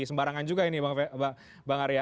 sembarangan juga ini bang arya